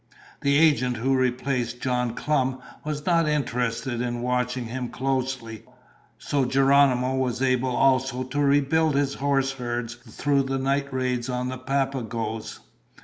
The agent who replaced John Clum was not interested in watching him closely. So Geronimo was able also to rebuild his horse herds through night raids on the Papagoes.